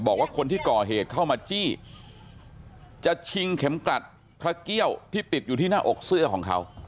บอกว่าคนที่ก่อเหตุเข้ามาจี้จะชิงเข็มกลัดพระเกี้ยวที่ติดอยู่ที่หน้าอกเสื้อของเขา